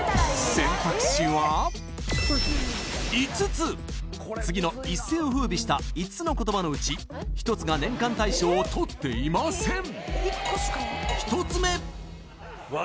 ５つ次の一世を風靡した５つの言葉のうち１つが年間大賞をとっていません